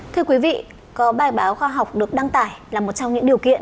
thưa quý vị có bài báo khoa học được đăng tải là một trong những điều kiện